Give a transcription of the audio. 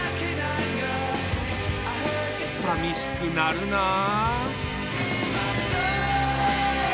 さみしくなるなあ。